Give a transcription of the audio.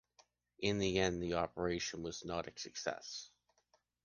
In the end the operation was not a success.